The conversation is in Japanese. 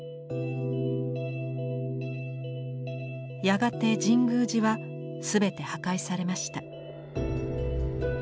やがて神宮寺は全て破壊されました。